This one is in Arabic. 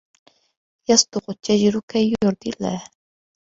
يَصْدُقُ التَّاجِرُ كَيْ يُرْضِيَ اللهُ.